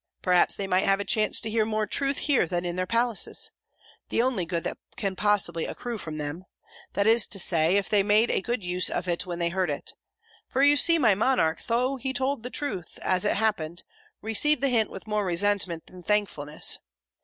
Perhaps they might have a chance to hear more truth here than in their palaces the only good that possibly can accrue from them that is to say, if they made a good use of it when they heard it. For you see, my monarch, though he told the truth, as it happened, received the hint with more resentment than thankfulness!